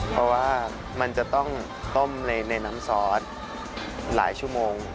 เพราะว่ามันจะต้องต้มในน้ำซอสหลายชั่วโมง